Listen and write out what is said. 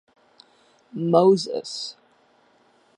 Moses.